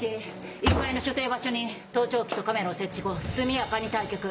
１階の所定場所に盗聴器とカメラを設置後速やかに退却。